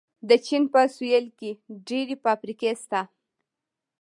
د چین په سویل کې ډېرې فابریکې شته.